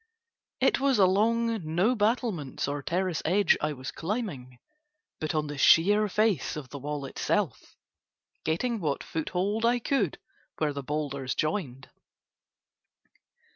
It was along no battlements or terrace edge I was climbing, but on the sheer face of the wall itself, getting what foothold I could where the boulders joined.